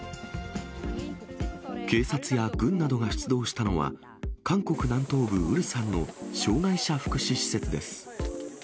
警察や軍などが出動したのは、韓国南東部ウルサンの障がい者福祉施設です。